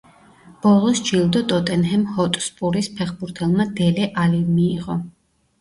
ბოლოს ჯილდო ტოტენჰემ ჰოტსპურის ფეხბურთელმა დელე ალიმ მიიღო.